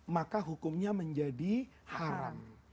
maka hukumnya menjadi haram